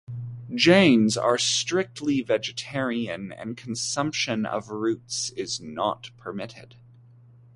Jains are strictly vegetarian and consumption of roots is not permitted.